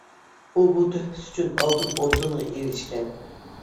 ئۇ، بۇ تۆھپىسى ئۈچۈن ئالتۇن ئوردېنغا ئېرىشكەن.